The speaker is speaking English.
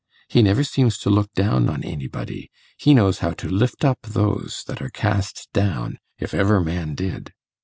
He never seems to look down on anybody. He knows how to lift up those that are cast down, if ever man did.